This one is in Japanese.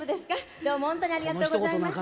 どうも本当にありがとうございました。